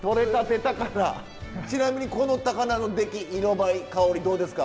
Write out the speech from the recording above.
ちなみにこの高菜の出来色ばえ香りどうですか？